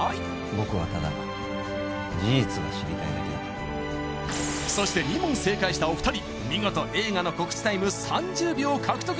僕はただ事実が知りたいだけそして２問正解したお二人見事映画の告知タイム３０秒獲得